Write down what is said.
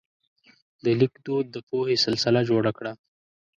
د لیک دود د پوهې سلسله جوړه کړه.